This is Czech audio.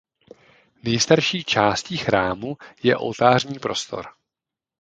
Nejstarší částí chrámu je oltářní prostor.